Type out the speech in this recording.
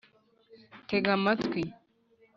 tega amatwi